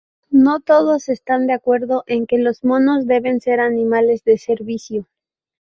No todos están de acuerdo en que los monos deben ser animales de servicio.